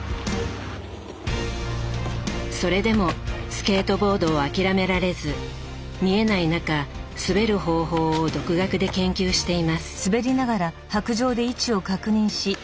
それでもスケートボードを諦められず見えない中滑る方法を独学で研究しています。